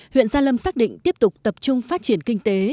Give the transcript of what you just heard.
huyện gia lâm xác định tiếp tục tập trung phát triển kinh tế